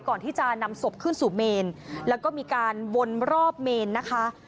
ก่อนที่จะนำศพขึ้นสู่เมนแล้วก็มีการวนรอบเมนนะคะ